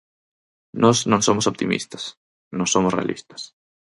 Nós non somos optimistas, nós somos realistas.